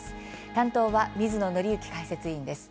担当は水野倫之解説委員です。